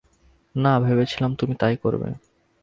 না, ভেবেছিলাম তুমি তাই করবে।